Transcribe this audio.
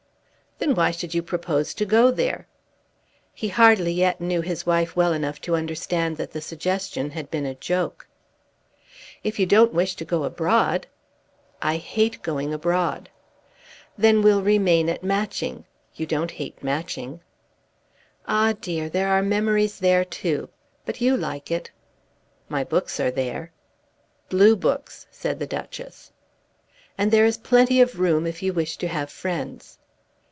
"Then why should you propose to go there?" He hardly yet knew his wife well enough to understand that the suggestion had been a joke. "If you don't wish to go abroad " "I hate going abroad." "Then we'll remain at Matching. You don't hate Matching." "Ah dear! There are memories there too. But you like it." "My books are there." "Blue books," said the Duchess. "And there is plenty of room if you wish to have friends."